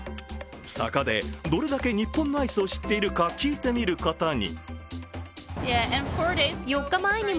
そこで、どれだけ日本のアイスを知っているか聞いてみることに。